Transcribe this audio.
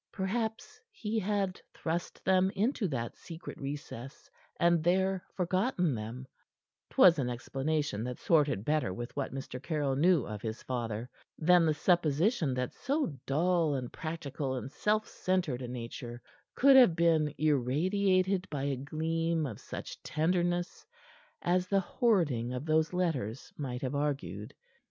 Perhaps he had thrust them into that secret recess, and there forgotten them; 'twas an explanation that sorted better with what Mr. Caryll knew of his father, than the supposition that so dull and practical and self centered a nature could have been irradiated by a gleam of such tenderness as the hoarding of those letters might have argued.